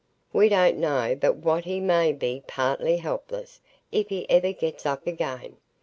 We don't know but what he may be partly helpless, if he ever gets up again.